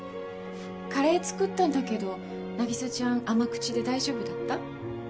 カレー作ったんだけど凪沙ちゃん甘口で大丈夫だった？